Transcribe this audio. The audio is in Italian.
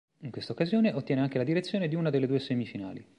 In questa occasione, ottiene anche la direzione di una delle due semifinali.